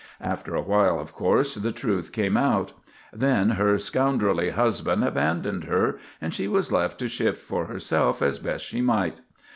After a while, of course, the truth came out. Then her scoundrelly husband abandoned her, and she was left to shift for herself as best she might.